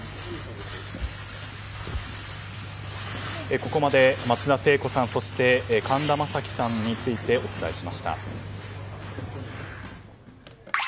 ここまで松田聖子さんそして神田正輝さんについてお伝えしました。